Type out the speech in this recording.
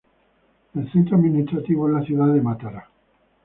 El centro administrativo es la ciudad de Matara.